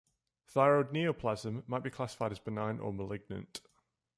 Thyroid neoplasm might be classified as benign or malignant.